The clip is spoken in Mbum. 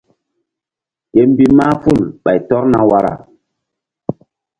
Ke mbih mahful ɓay tɔrna wara.